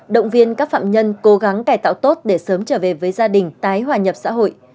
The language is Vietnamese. động viên các phạm nhân cố gắng cải tạo tốt để sớm trở về với gia đình tái hòa nhập xã hội